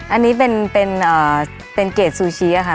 อันนี้เป็นเกรดซูชิค่ะ